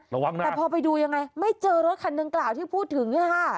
ระวังนะแต่พอไปดูยังไงไม่เจอรถคันดังกล่าวที่พูดถึงค่ะ